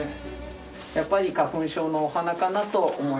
やっぱり花粉症のお鼻かなと思いますよ。